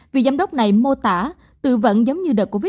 vì giám đốc này mô tả tự vẫn giống như đợt covid một mươi chín